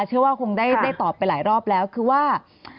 เชื่อว่าคงได้ตอบไปหลายรอบแล้วคือว่า